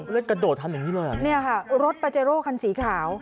เจ้าของรถกระโดดทำแบบนี้เลยเนี่ยค่ะรถรถสีขาว